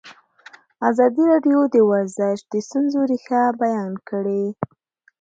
ازادي راډیو د ورزش د ستونزو رېښه بیان کړې.